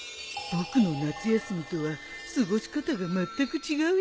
僕の夏休みとは過ごし方がまったく違うや